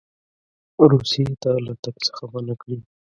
روسیې ته له تګ څخه منع کړي.